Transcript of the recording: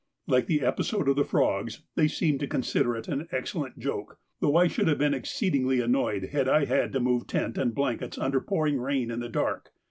Like the episode of the frogs, they seemed to consider it an excellent joke, though I should have been exceedingly annoyed had I had to move tent and blankets under pouring rain in the dark.